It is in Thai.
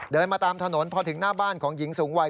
เดินมาตามถนนพอถึงหน้าบ้านของหญิงสูงวัย